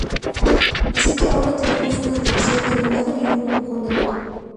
Así que ahora tenemos una atracción de un lado y un empujón del otro.